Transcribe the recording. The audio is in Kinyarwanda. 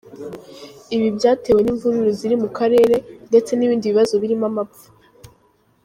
Ibi byatewe n’imvururu ziri mu karere, ndetse n’ibindi bibazo birimo amapfa.